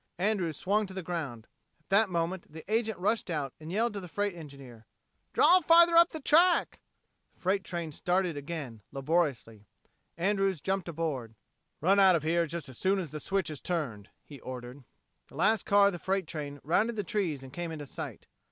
Andrews swung to the ground. At that moment the agent rushed out, and yelled to the freight engineer, "Draw farther up the track." The freight train started again, laboriously. Andrews jumped aboard. "Run out of here just as soon as the switch is turned," he ordered. The last car of the freight train rounded the trees and came into sight.